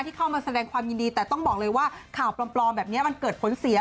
เข้ามาแสดงความยินดีแต่ต้องบอกเลยว่าข่าวปลอมแบบนี้มันเกิดผลเสีย